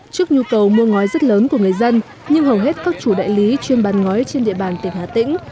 trước nhu cầu mua ngói rất lớn của người dân nhưng hầu hết các chủ đại lý chuyên bán ngói trên địa bàn tỉnh hà tĩnh